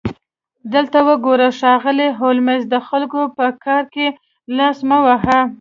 دلته وګوره ښاغلی هولمز د خلکو په کار کې لاس مه وهه